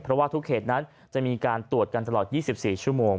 เพราะว่าทุกเขตนั้นจะมีการตรวจกันตลอด๒๔ชั่วโมง